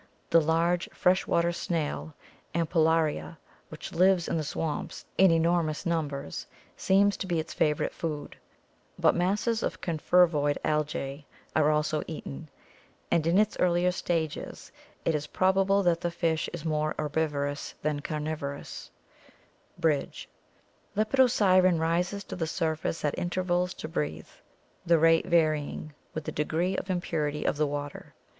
The large fresh water snail Ampullaria, which lives in the swamps in enormous numbers, seems to be its favorite food; but masses of confervoid algae are also eaten, and in its earlier stages it is prob able that the fish is more herbivorous than carnivorous" (Bridge). Lepidosiren rises to the surface at intervals to breathe, the rate varying with the degree of impurity of the water.